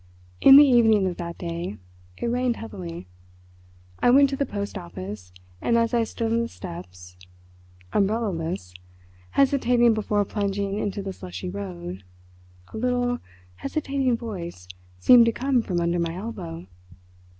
In the evening of that day it rained heavily. I went to the post office, and as I stood on the steps, umbrellaless, hesitating before plunging into the slushy road, a little, hesitating voice seemed to come from under my elbow.